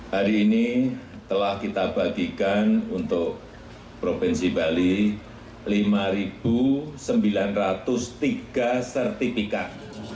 hari ini telah kita bagikan untuk provinsi bali lima sembilan ratus tiga sertifikat